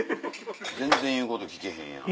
全然言うこと聞けへんやん。